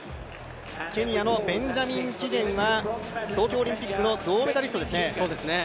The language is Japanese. ケニアのベンジャミン・キゲンは東京オリンピックの銅メダリストですね。